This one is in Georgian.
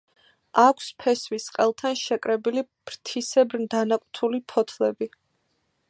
აქვს ფესვის ყელთან შეკრებილი ფრთისებრ დანაკვთული ფოთლები.